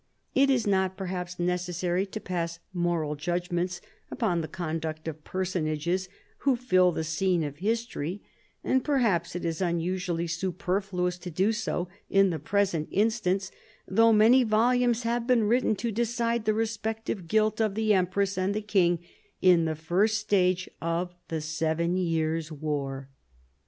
It is not perhaps necessary to pass moral judgments upon the conduct of personages who fill the scene of history, and perhaps it is unusually superfluous to do so in the present instance, though many volumes have been written to decide the respective guilt of the empress and the king in the first stage of the Seven Years' War.